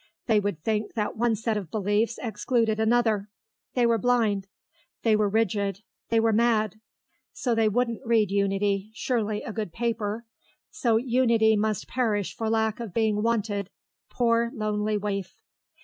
They would think that one set of beliefs excluded another; they were blind, they were rigid, they were mad. So they wouldn't read Unity, surely a good paper; so Unity must perish for lack of being wanted, poor lonely waif.